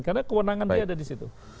karena kewenangan dia ada di situ